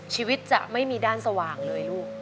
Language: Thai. ชีวิตจะไม่มีด้านสว่างเลยลูก